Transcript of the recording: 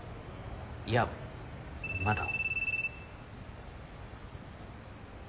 いやまだ。